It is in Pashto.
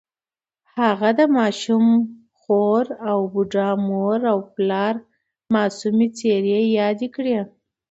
هغه د ماشومې خور او بوډا مور او پلار معصومې څېرې یادې کړې